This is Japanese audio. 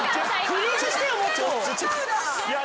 フリーズしてよもっと。